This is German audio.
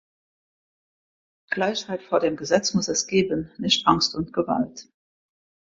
Gleichheit vor dem Gesetz muss es geben, nicht Angst und Gewalt.